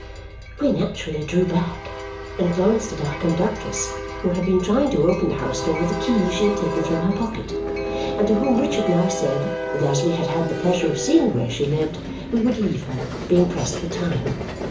We naturally drew back and glanced at our conductress, who had been trying to open the house door with a key she had taken from her pocket, and to whom Richard now said that as we had had the pleasure of seeing where she lived, we would leave her, being pressed for time.